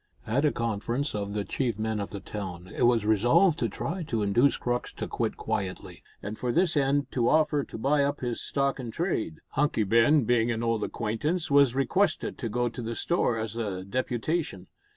At a conference of the chief men of the town it was resolved to try to induce Crux to quit quietly, and for this end to offer to buy up his stock in trade. Hunky Ben, being an old acquaintance, was requested to go to the store as a deputation.